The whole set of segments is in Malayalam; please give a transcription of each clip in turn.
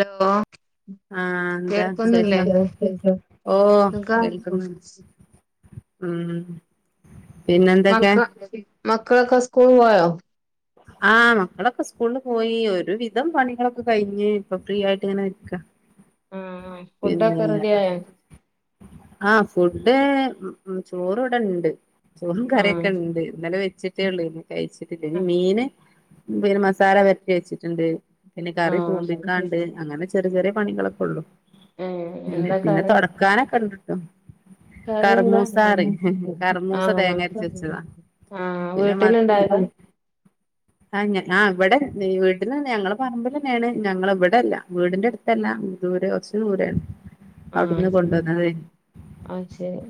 ഹലോ ആഹ് എന്താ വി കേൾക്കുന്നില്ലേ ശേഷം ഓ സുഖാ കേൾക്കുന്നുണ്ട് ഉം പിന്നെന്തൊക്കെ മക്കള മക്കളൊക്കെ സ്കൂള് പോയോ ആഹ് മക്കളൊക്കെ സ്കൂള് പോയി ഒരുവിധം പണികളൊക്കെ കഴിഞ്ഞ് ഇപ്പൊ ഫ്രീ ആയിട്ട് ഇങ്ങനെ നിക്ക ആഹ് അ പിന്നെ ഫുഡൊക്കെ റെഡിയായോ ആഹ് ഫുഡ് ചോറ് ഇവിടെ ഇണ്ട് ചോറും ആഹ് കറിയൊക്കെ ഇണ്ട് ഇന്നലെ വെച്ച് ട്ടെ ഒള്ളേ നു കഴിച്ചിട്ടില്ല ഇനി മീന് പിന്നെ മസാല വരറ്റി വച്ചിട്ട്ണ്ട് പിന്നെ കറി ആഹ് തൂമ്പിക്കാണ്ട് അങ്ങനെ ചെറിയ ചെറിയ പണികളൊക്കെ ഒള്ളു ഏഹ് പിന്നെ എന്താ പിന്നെ കറി തൊടക്കാനൊക്കെ ഇണ്ട്ണ്ടോ കറി എന്താ [unintelligible] കർമൂസ തേങ്ങ അരച്ച് വെച്ചതാ ആഹ് വീട്ട്ല്ണ്ടായ [unintelligible] ആഹ് ഞ ആ ഇവിടെ വീട്ട്ലന്നെ ഞങ്ങള പറമ്പിലെന്നെയാണ് ഞങ്ങ ഇവിടെയല്ല വീടിന്റെ ട് ത്തല്ല ദൂരെ കൊറ്ച്ച് ദൂരെ ണ് ആഹ് ഉം അഹ് ശരി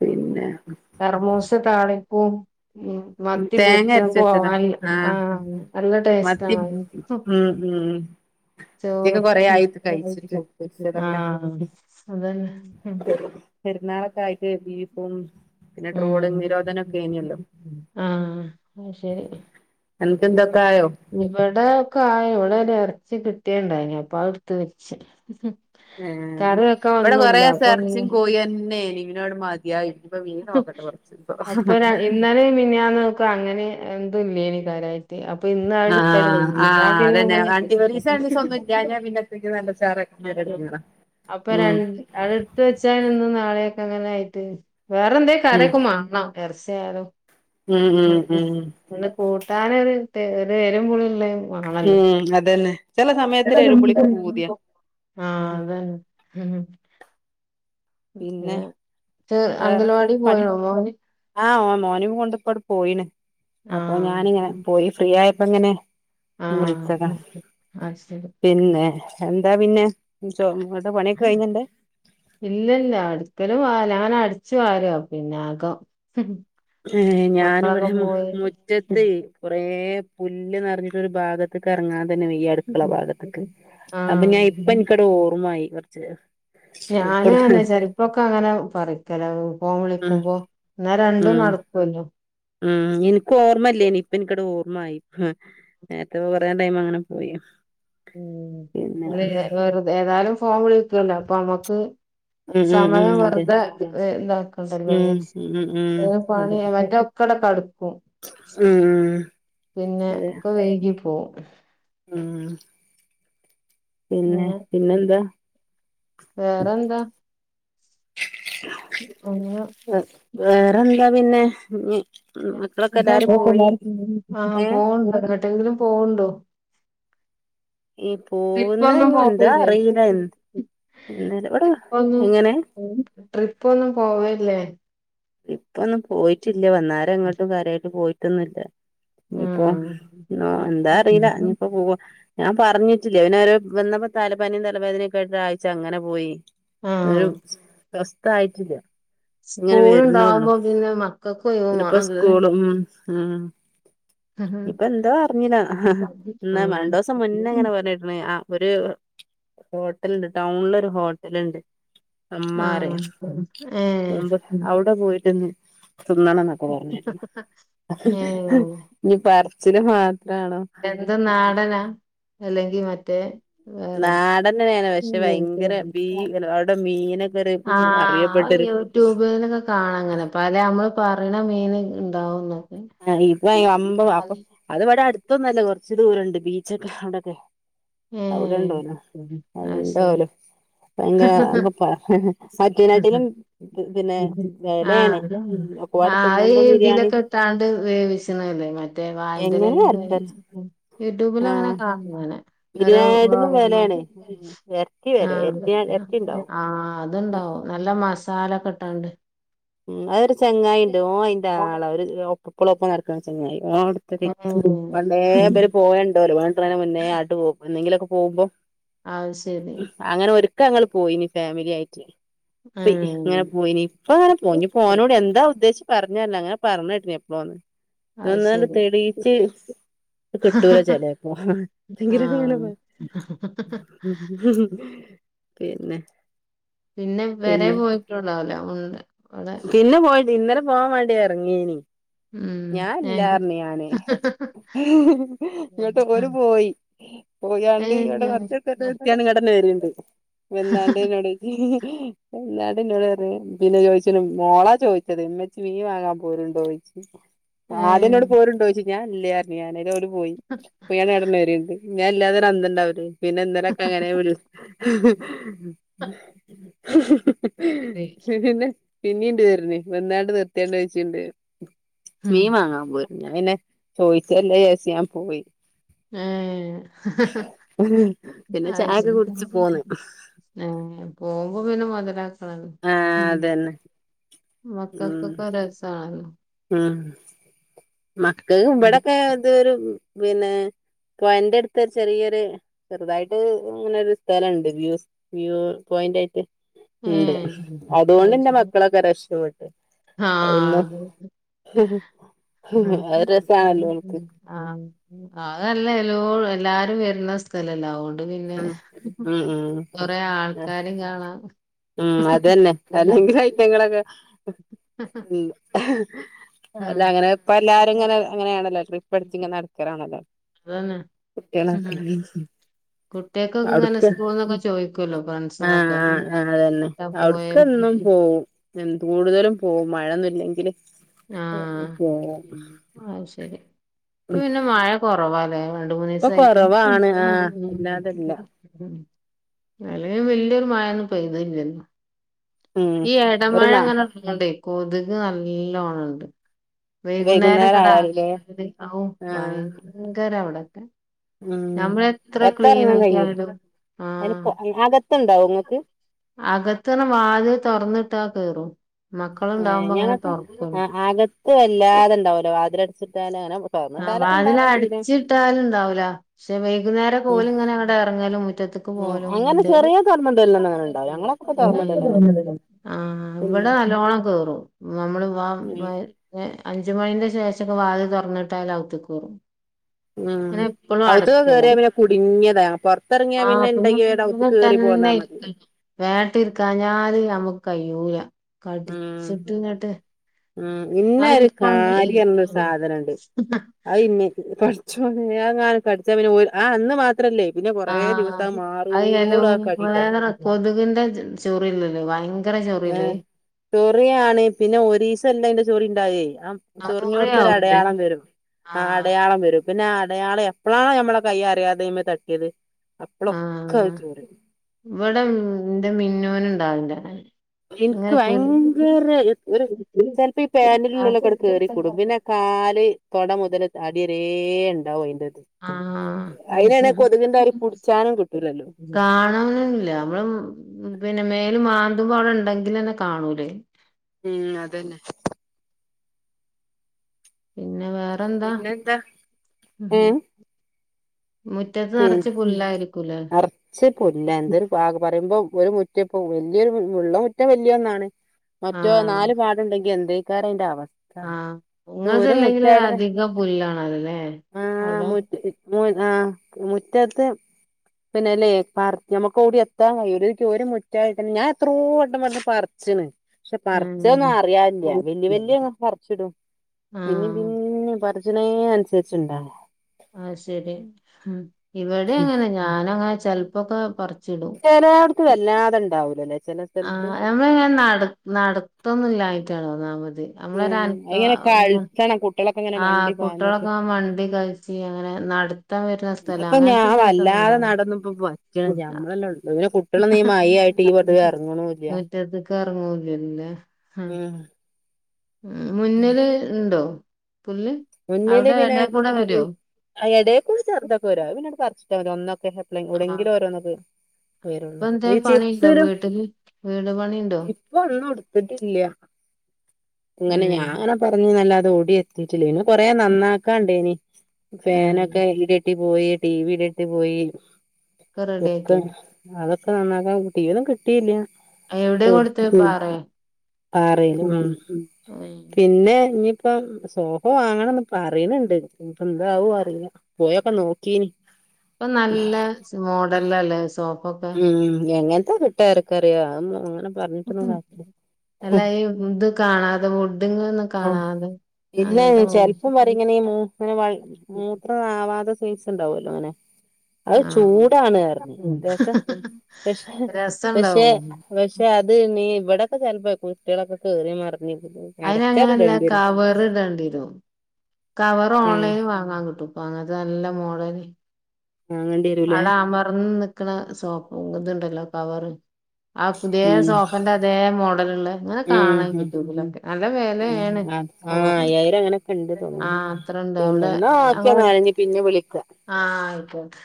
പിന്നെ കറ്മുസ താളിപ്പും ഉം മത്തി തേങ്ങ പൊരിച്ച അരച്ച വെച്ചതാ പോവാൻ ആഹ് നല്ല ടേസ്റ്റ് മത്തി ആണ് ഉം ഉം മത്തിയൊക്കെ ചോറും കൊറേ ആയി കഴിച്ചിട്ട് [unintelligible] പൊരിച്ചതൊക്കെ ആഹ് അതെന്നെ പെരുന്നാളൊക്കെ ആയിട്ട് ബീഫും പിന്നെ ട്രോളിംഗ് ഉം നിരോധനക്കെ ഏനിയല്ലോ ആഹ് അയ്ശരി അന്ക്ക്ന്തൊക്കായോ ഇവിടെ ഒക്കെ ആ ഇവിടെ ഒര്ഇറച്ചി കിട്ടിയെണ്ടായി നി അപ്പോ അത് എടുത്ത് വെച്ച് ആഹ് കറി വെക്കാൻ ഇവിടെ കൊറെ ഒന്നുല്ല സം അപ്പൊ എർച്ചിം പിന്നെ കോയി ന്നെ ഏനി പിന്ന ങ്ങട്ട് മതിയായി ഇനിപ്പോ മീൻ നോക്കട്ടെ കൊറച്ച് ഇപ്പൊ ഇന്നാലേ മിൻ ഞാന്ന് ഒക്കെ അങ്ങനെ എന്തും ല്ലേ നി കാര്യായി ട്ട് അപ്പൊ ഇന്ന് അഹ് ടുത്ത് ആഹ് [unintelligible] ന്നാ ആഹ് പിന്നെ അതന്നെ ങ്ങനെ ആന്റി ഒരീസം രണ്ടീസം ഒന്നും ഇല്ലാഞ്ഞാ [unintelligible] പിന്നെ നല്ല ചാറ് [unintelligible] എടങ്ങേറാ അപ്പ ഉം രണ്ട് അടെ ട്ത്ത് വെച്ചാല്ല് ഇന്ന് നാളെയൊക്കെ അങ്ങനെ ആയിട്ട് വേറെന്തേ കറി ഉം യൊക്കെ മാണം എർച്ചി യാലും ഉം ഉം ഒന്ന് കൂട്ടാനൊര് ഒര് എരും പുളിം ള്ളെ ഉം അതന്നെ ചെല സമയത്ത് ഒര് എരും പുളിക്ക് പൂതിയാ ആഹ് ഉം അതന്നെ പിന്നെ ചെർ അംഗ വേറെക്കെ ലവാടി പണി പോയോ മോന് ആഹ് ഓ മോനെ കൊണ്ട് ഇപ്പ ണ്ട് പോയിണ് അപ്പൊ ഞാനിങ്ങനെ ആഹ് പോയി ഫ്രീ ആയപ്പോ ഇങ്ങനെ ആഹ് വിളിച്ചതാ അത് ശരി പിന്നെ എന്താ പിന്നെ ചോ ഇങ്ങട്ടെ പണിയൊക്കെ കഴിഞ്ഞ അന്റെ ഇല്ലല്ല അടുക്കലും വാ ഞാൻ അടിച്ച് വരുവാ പിന്നെ അകം ഏഹ് ഞാനിവിടെ മക്കളൊക്കെ മു പോയി മുറ്റത്തെ കുറേ പുല്ല് നറ്ഞ്ഞിട്ട്ഒരു ഭാഗത്ത്ക്ക് ഇറങ്ങാൻ തന്നെ വെയ്യാ അടുക്കള ഭാഗത്ത്ക്ക് അപ്പൊ ഞാ ഇപ്പ ആഹ് ഇൻ ക്കണ്ട് ഓർമ്മയായി കൊറ്ച്ച് ഞാന് അഹന്നെ ചെല് പ്പൊക്കെ അങ്ങനെ പറിക്കല ഫോൺ ഉം വിളിക്കുമ്പോ ന്നാ രണ്ടും നട ക്ക ജും ആഹ് ഇൻക്ക് ഓർമല്ലേനി ഇപ്പ ഇൻകട് ഓർമായി നേരത്തെ കൊറേ ടൈം അങ്ങനെ പോയി ഉം പിന്നെ ഒന്ന് ല്ലേ വെറു ഏതായാലും ഫോൺ വിളിക്കൂല്ലോ അപ്പൊ നമ്മക്ക് ഉം ഉം ഉം സമയം അതെ വെറുതെ ഇതാക്കണ്ടല്ലോ ഉം ഉം ഉം പണി എന്നിട്ട് [unintelligible] ഉം ഉം പിന്നെ അതെ ഒക്കെ വൈകി പോവും ഉം പിന്നെ പിന്നെന്താ വേറെന്താ ഒരു കുഞ്ഞ് വേറെന്താ പിന്നെ മക്കളൊക്കെ എല്ലാരും പോയി ആ ഏഹ് പോകണുണ്ടോ എങ്ങോട്ടെങ്കിലും പോകണുണ്ടോ ഈ പോകുന്ന ഇപ്പൊവൊന്നും പോവലില്ല എന്നാല് എവിടാ എങ്ങനെ ട്രിപ്പ് ഒന്നും പോവലില്ലേ ട്രിപ്പൊന്നും പോയിട്ടില്ല ഇന്ന് വരെ എങ്ങോട്ടും കാര്യമായിട്ട് പോയിട്ടൊന്നുമില്ല ഇനിയിപ്പോ ആഹ് എന്താ അറിയില്ല ഇനിപ്പോ പോവാ ഞാൻ പറഞ്ഞിട്ടില്ലേ ഇങ്ങനെ ഒരു വന്നപ്പോ തലപനിയും തലവേദനയും ഓക്കെ ആയിട്ട് ഒരാഴ്ച്ച അങ്ങനെ പോയി ആഹ് എന്നാലും സ്വസ്ഥം ആയിട്ടില്ല സ്കൂൾ ഉണ്ടാവുമ്പോ പിന്നെ മക്കൾക്കും പാടല്ലേ ഉം ഉം ഇപ്പ എന്താ അറിഞ്ഞില്ലാ എന്നാ രണ്ടു ദിവസം മുന്നേ എങ്ങനെ പറഞ്ഞ ആഹ് ഒരു ഹോട്ടലുണ്ട് ടൗണിലൊരു ഹോട്ടൽ ഉണ്ട് ആ അമ്മാരെ ആ ഏ മുമ്പ് അവിടെ പോയിട്ടൊന്ന് തിന്നണമെന്നുണ്ട് ഏ ഇനി പറച്ചില് മാത്രമാണോ എന്ത്‌ നാടനാ അല്ലെങ്കിൽ മറ്റേ വേറെ നാടന്നെയാണ് പക്ഷെ ഉം ഭയങ്കര ബീ അവിടെ മീനൊക്കെ ഒരു അഹ് ആയ്യോ അറിയപ്പെട്ടൊരു യൂട്യൂബിൽ കാണാം അങ്ങനെ പല നമ്മൾ പറയണ മീൻ ഉണ്ടാവുന്നു ആ ഇപ്പ ഈ അമ്പ അപ്പൊ അതിവിടെ അടുത്തൊന്നുമല്ല കുറച്ച് ദൂരമുണ്ട് ബീച്ചൊക്കെ അവിടൊക്കെ ഏ അവിടെ ഇണ്ട് പോലും അത് ഉണ്ടാവലും ശരി ഭയങ്കര അതിപ്പം മറ്റനെക്കാട്ടിലും പിന്നെ ആഹ് വിലയാണ് ആഹ് അത് ഇതിലൊക്കെ എത്താണ്ട് വേവിച്ചണല്ലേ മറ്റേ എങ്ങനെ ആർക്കറിയാം [unintelligible] യൂട്യൂബിൽ അങ്ങനെ ആഹ് കാണാം അങ്ങനെ ആരോ ബിരിയാണിയേട്ടിലും വെലേണ് ആഹ് എറച്ചി വെലെ എറച്ചി എറച്ചിണ്ടാവും ആഹ് അതുണ്ടാവും നല്ല മസാല ഒക്കെ ഇട്ടാണ്ട് ഉം അതൊരു ചെങ്ങായി ഉണ്ട് ഓ അയിന്റെ ആളാ ഒരു എപ്പളും ഒപ്പം നടക്കണ ചെങ്ങായി [unintelligible] ഉം പണ്ടേ ഇവര് പോയ ഉണ്ട് പോലും ഓൻ ഇണ്ടാന്നേന് മുന്നേ ആട്ട് പോവും എന്നെങ്കിലുമൊക്കെ പോകുമ്പം അത് ശരി അങ്ങനെ ഒരിക്ക ഞങ്ങള് പോയിനി ഫാമിലി ആയിട്ട് പ്പി ഉം ഇങ്ങനെ പോയിനി ഇപ്പൊ അങ്ങനെ ഓ ഇഞ്ഞി ഇപ്പൊ ഓനോട് എന്താ ഉദ്ദേശിച്ച് പറഞ്ഞല്ല അങ്ങനെ പറഞ്ഞ കേട്ടിരുന്നു എപ്പോളോന്ന് അത് ഒന്നങ്ങട്ട് ശരി തെളിയിച്ച് കിട്ടൂല ചെലേപ്പം ആഹ് [unintelligible] പിന്നെ പിന്നെ വരെ പിന്നെ പോയിട്ടുണ്ടാവൂല ഉണ്ട് പിന്നെ പോയെടി ഇന്നലെ പോവാൻ വേണ്ടിയാ ഇറങ്ങിയിനി ഉം ഞാൻ ഇല്ലാ പറഞ്ഞു ഞാന് ഏഹ് എന്നിട്ട് ഓല് പോയി പോയാണ്ട് ഇവിടെ ഏഹ് കുറച്ചവടെ എത്തിയാണ്ട് ഇങ്ങട്ടെന്നെ വരണ്ട് വന്നാണ്ട് എന്നോട് ഹിഹി ഹി എന്നാട്ട് എന്നോട് പറഞ്ഞ് പിന്നെ ചോദിച്ചിനും മോളാ ചോദിച്ചത് ഇമ്മച്ചി മീൻ വാങ്ങാൻ പോരുന്നുണ്ടോ ചോദിച്ചു ചോദിച്ചു ആദ്യം എന്നോട് പോരുണ്ടോ ചോയിച്ച് ഞാൻ ഇല്ലാന്നു പറഞ്ഞു ഞാന് ഓല് പോയി പോയാണ്ട് ഇങ്ങട്ടന്നെ വരണുണ്ട് ഞൻ ഇല്ലാതെ ഒരു അന്തം ഇണ്ടാവൂലെ പിന്നെ ഇന്നലെയൊക്കെ അങ്ങനേ വരൂ പിന്നെ പിന്നീംണ്ട് വരണ് വന്നാണ്ട് നിർത്തിയണ്ട് വെച്ചുണ്ട് മീൻ വാങ്ങാൻ പോര്ന്നോന്ന് ഞാൻെ പിന്നെ ചോദിച്ചല്ലേ വെച്ച് ഞാൻ പോയി ഏഹ് [unintelligible] [unintelligible] പിന്നെ ചായൊക്കെ കുടിച്ച് പോന്ന് ഏഹ് പോകുമ്പോ പിന്നെ മുതലാക്കണല്ലോ ആ അതന്നെ ഉം മക്കക്കൊക്കെ രസണല്ലോ മക്കൾ ഉം ഇവിടെക്കെ ഇതൊരു പിന്നെ പുഴൻന്റെ അടുത്ത് ഒരു ചെറിയൊരു ചെറുതായിട്ട് അങ്ങനെ ഒരു സ്ഥലമുണ്ട് വ്യൂസ് വ്യൂ പോയിന്റ് ആയിട്ട് ഉണ്ട് ഏഹ് അതുകൊണ്ട് അത് എന്റെ ശരി മക്കളൊക്കെ രക്ഷപട്ട് അന്ന് ആഹ് [unintelligible] അതൊരു രസമാണല്ലോ ഓൽക്ക് ആഹ് അതല്ല എല്ലോ എല്ലാരും വരുന്ന സ്ഥലല്ലെ പിന്നെ ഉം ഉം ഉം കൊറേ ആൾക്കാരെയും കാണാം ഉം അത് തന്നെ അല്ലെങ്കിലും ഐറ്റങ്ങളൊക്കെ ഉം അല്ല അങ്ങനെ ഇപ്പൊ എല്ലാരും ഇങ്ങനെ അങ്ങനെയാണല്ലോ ട്രിപ്പ് അടിച്ചു ഇങ്ങനെ നടക്കലാണല്ലോ അതെന്നെ കുട്ടികളൊക്കെ ഉം ഉം കുട്ടികക്കൊക്കെ ഇങ്ങനെ അവിടുക്ക് സ്കൂളിന്നൊക്കെ ചോദിക്കുമല്ലോ ഫ്രണ്ട്സുകളൊക്കെ പോയ അവിട്ക്ക് എന്നും പോവും എഹ് കൂടുതലും പോവും മഴൊന്നുംല്ലെങ്കില് ആഹ് അത് ശരി ഇപ്പം പിന്നെ മഴ കുറവാല്ലേ രണ്ട് മൂന്ന് ഇപ്പൊ ദിവസയിട്ട് കൊറവാണ് ആഹ് അല്ലാതില്ല ഉം അല്ലേലും വല്യൊരു മഴയൊന്നും പെയ്തില്ലല്ലോ ഉം ഈ ഒരു ഇടമഴ നാ അങ്ങനെ ഉളളത്കൊണ്ടേ കൊതുക് നല്ലോണം ഉണ്ട് ണ്ട് വൈകുന്നേരം ഒക്കെ [unintelligible] ഔ ആഹ് ഭയങ്കരാ ഇവിടൊക്കെ ഉം നമ്മൾ എത്ര ക്ലീൻ പൊറത്തെറങ്ങാൻ കഴിയൂല ആയിക്കിയിടും ആഹ് അതിനിപ്പോ അകത്തുണ്ടാവോ ഇങ്ങക്ക് അകത്തുന്ന് വാതിൽ തുറന്നിട്ടാ കേറും മക്കളുണ്ടാവുമ്പോ അങ്ങനെ ഞങ്ങൾക്ക് തുറക്കും ആഹ് അകത്ത് വല്ലാതെണ്ടാവൂലാ വതിൽ അടിച്ചിട്ടാൽ അങ്ങനെ തുറന്നിട്ടാലൊക്കെണ്ടാവാൻ മതി പിന്നെ ട്ടാൽ ഉണ്ടാവൂല പക്ഷെ വൈകുന്നേരം ഉം പോലിങ്ങനെ അങ്ങട്ട് ഇറങ്ങെലും മിറ്റത്തേക്ക് ഉം പോകലും അങ്ങനെ ഒന്നുമില്ല. ചെറിയ തുറന്നിടലൊന്നും അങ്ങനെ ഉണ്ടാവില്ല ഞങ്ങളൊക്കെപ്പ തുറന്നിടലൊന്നുല്ല ആഹ് ആഹ് പിന്നെ ഇവെടെ നല്ലോവോണം കേറും നമ്മള് വാ ഉം വ യെ അഞ്ചു മണിന്റെ ശേഷേക്കെ വാതില് തുറന്നിട്ടാല് അകത്തേക്ക് കേറും. ഉം അങ്ങനെ എപ്പുളും അകത്തൊക്കെ കേറിയാ അടുത്തൊള്ളത് പിന്നെ കുടുങ്ങിയതാ പുറത്തിറങ്ങിയാ ആഹ് പിന്നെ ഉണ്ടെങ്കി വേഗം അകത്ത് [unintelligible] കേറി പോന്നാ തന്നെ. മതി വേട്ടയിറക്കഞ്ഞാല് നമ്മുക്ക് കയൂല ഉം കടിച്ചിട്ടിങ്ങോട്ട്. ഉം ഇനൊരു കാര്യോള്ള സാധനൊണ്ട് അത് ഇനേക്ക് കട് ച്ചോ ഞാനാര് കടിച്ച പിന്നെ ആഹ് അന്ന് മാ ത്രല്ലേ പിന്നെ കൊറെ ദിവസം ആഹ് അത് എലോ മാറോളൂ ആകഴില്ല. വേറെ കൊതുകിന്റെ ചൊറിലല്ലേ വൈ പറല്ലേ ചൊറിയാണേ പിന്നെ ഒരീസം എന്താണ്ട് ചൊറി ഇണ്ടാവെ ആഹ് ചൊറിഞ്ഞോടത്ത് ഒരു മുറിയാവൂലേ അടയാളം വെരും. ആഹ് അടയാളം വെരും പിന്നെ അടയാളം എപ്പളാണോ നമ്മടെ കയിൽ അറിയാതെയ്മേ തട്ടിയത് അപ്പളൊക്കെ അത് ചൊറിയും. ഇവെടെ എന്റെ മിന്നുനുണ്ടാവും [unintelligible] എനിക്ക് വയങ്കര ഒരു ചെലപ്പോ ഈ പാൻന്റിലുള്ള കൊട് ആഹ് കേറിക്കുടും പിന്നെ. കാല് തൊട മുതല് അടിവെരേം ഒണ്ടാവും അയിന്റെത്. ആഹ് അത് അയിനാണെ കൊതുകിന്റൊര് പിടിച്ചാനും കിട്ടൂലല്ലോ. കാണോണില്ല അവെള് പിന്നെ മേള് മാന്തുമ്പും അവെടെ ഉണ്ടെങ്കില്ന്നെ കാണൂലേ? ഉം അതന്നെ പിന്നെ വേറെന്താ? പിന്നെന്താ ഉം മു റ്റത്ത് പിൻ നെറച്ച് പുല്ലായിരിക്കൂല്ലേ? താഗ് പറയുമ്പോ ഒരു മുറ്റിപ്പ വെല്യരു ഉള്ള മുറ്റം വെല്യന്നാണ്. മറ്റേ ആഹ് നാല് പാടുണ്ടെങ്കി എന്തേക്കാരെന്റെ അവസ് ആഹ് ഥ ഒരു ഇങ്ങൾതല്ലെങ്കിലും മുറ്റായിര്ന്ന് അധികം പുല്ലാണല്ലോല്ലേ ആഹ് അവിടെ മുറ്റ് മുയ് ആഹ് മുറ്റത്ത് പിന്നെലേ പർ നമ്മെക്ക് ഓടി എത്താൻ കയ്യൂല്ല. ഓര് ക്ക് ഒരു മുറ്റായിട്ടന്നെ ഞാൻ എത്രോ വട്ടം വന്ന് പർച്ചിണ്. ഷെ പർച്ചൊന്നും ഉം അറിയാല്ല്യ വെല്ല്യ വെല്ല്യാ പർച്ചിടും. പിന്നിം ആഹ് പിന്നിം പർച്ചിണീനൻസര്ച്ചിണ്ടായ ആഹ് ശരി ഉം. ഇവിടി അങ്ങെനെ. ഞാനങ്ങ ചെൽപ്പൊക്കെ പർച്ചിടും. ചെലോട്ത്ത് വെല്ലാതെണ്ടാവ്ലലേ ചെലെ സ്ഥൽത്ത്. നമ്മെളിങ്ങനെ നട നടത്തുന്നില്ലായ്ട്ടാണ് ഒന്നാമത് നമ്മെളൊരൽപ്പ [unintelligible] കുട്ട്യളൊക്കെ ങ്ങ ആഹ്, കുട്ട്യളൊക്കെ ആഹ് മണ്ടി കൾച്ച് അങ്ങനെ നട്ത്തം വെര്ന സ്ഥല അങ്ങൻത്തെ സലത്തൊന്നു [unintelligible] പച്ചാതി നമ്മളെല്ലൊള്ളു പിന്നെ കുട്ട്യാളൊന്നും ഈ മയ്യായിട്ട് ഈ [unintelligible] എറങ്ങിണൂല്ല്യാ. റ്റതിക്ക് എർങ്ങുല്ല ലേ. ഹാ ഉം മുന്നില്? ഇണ്ടോ പുല്ല്? മുന്നില് അവിടെ പിന്നെ എടെ കൂടെ വരോ ഇൻ ആഹ് എടേക്കൂടി ചെർതൊക്കെ വെര അ പിന്നട് പർച്ചിട്ടാ മതി. ഒന്നൊക്കെ ഹെപ്ലെങ് ആ എവ്ടെങ്കിലും ഒരോന്നൊക്കെ ഇപ്പൊ വെരൊള്ളു. എന്തേ ഈ പണിണ്ടോ ചിപ്സിലും. വീട്ടില് വീട് പണിണ്ടോ ഇപ്പൊ ഒന്നും ഇട്ത്തിട്ടില്ല്യ ഏ ങ്ങനെ ഞാങ്ങന പറഞ്ഞ് നല്ലാതെ ഔടിയെത്തിട്ടില്ലെ ഇനി കൊറെ നന്നാക്കാണ്ടേനി ആ ഫേനൊക്കെ ഇടി ട്ടി പോയി, ടി വി ഇട്യൊട്ട് പോയി ഒക്കെ ബുക്ക് റെഡിയാക്കിയോ അതൊക്കെ നന്നാക്കാൻ ടി വ്യൊന്നും കിട്ടീല്ല. കൊ. എവിടെ കൊടുത്തെ പാറേ ആറേല് ഉം പിന്നെ ഇഞ്ഞ് പ്പം സോ വാങ്ങണന്ന് പറയീണിണ്ട്. ഇഞ്ഞിപ്പന്താവും അറീല്ല. പോയൊക്കെ നോക്കീനി ഇപ്പൊ നല്ല സ്മോഡലല്ലേ സോ- ഉം എങ്ങെൻത്തേ കിട്ടാ ആർക്കറിയ അതൊന്നും അങ്ങനെ പറഞ്ഞിട്ടൊന്നും കാര്യല്ല. അല്ലായി ഇത് കാണാതെ. വുഡ്ഡിങ്ങൊന്നും കാണാതെ. ഇല്ലെ അങ്ങനത്തെ ചെലപ്പം പറിം മോ- ഇങ്ങനെ മൂക്കിന് വ ഇങ്ങനെ മൂക്കിന് ആവാതെ സൈസ് ഇണ്ടാവല്ലോ ഇങ്ങനെ അത് ആ ചൂടാണ് അർഞ് ത്യാസം പഷെ പഷെ രസണ്ടാവോ പഷെ അത് ഇണ്ണീ ഇവടൊക്കെ ചിൽപ്പ കുട്ട്യാളൊക്കെ കേറി മർഞ് അയിന് അങ്ങനല്ല കവർ ഇടണ്ട്യെരും കവറ് ഉം ഓൺലൈൻ വാങ്ങാൻ കിട്ടും പ്പങ്ങൻത്തെ നല്ല മോഡല് വാങ്ങണ്ടി ആട അമർന്നിക്ക്‌ണ സോഫ ഇതിണ്ടല്ലോ കവറ് ആഹ് പുത്യേ ഉം സോഫന്റെ അതേ മോഡലിള്ളെ ഇങ്ങനെ ഉം കാണാൻൺ ഉം യൂട്യൂബിൽ ഒക്കെ നല്ല ഉം വെലേണ് ആഹ് അയ്യായിരം അങ്ങനെക്കെണ്ട് തോന്നിണ്ട് അത്രണ്ട് പിന്നെ ന്നാ ഒക്കെ ന്നാല് ഇഞ് പിന്നെ വിളിക്കാ ആഹ് ഒക്കെ